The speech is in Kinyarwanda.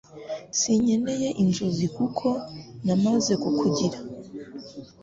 Sinkeneye inzozi kuko namaze kukugira